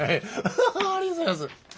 ハハーッありがとうございます。